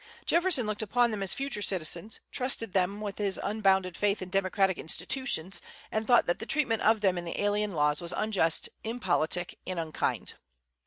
Jefferson looked upon them as future citizens, trusted them with his unbounded faith in democratic institutions, and thought that the treatment of them in the Alien Laws was unjust, impolitic, and unkind.